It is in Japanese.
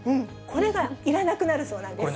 これがいらなくなるそうなんです。